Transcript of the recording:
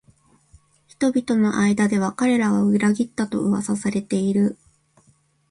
人々の間では彼らが裏切ったと噂されている